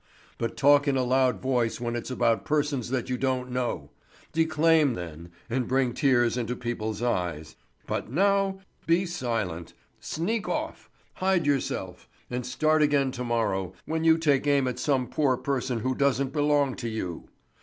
But talk in a loud voice when it's about persons that you don't know! Declaim then, and bring tears into people's eyes; but now? Be silent! Sneak off! Hide yourself! And start again to morrow, when you take aim at some poor person who doesn't belong to you!